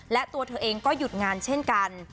และตัวเธอเองก็หยุดงานเช่นกัน